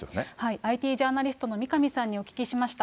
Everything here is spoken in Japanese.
ＩＴジャーナリストの三上さんにお聞きしました。